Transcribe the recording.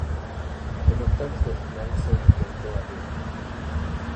En octavos de final se enfrentó a Def.